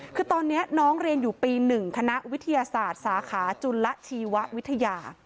คือตอนนี้น้องเรียนอยู่ปี๑คณะวิทยาศาสตร์สาขาจุลชีววิทยา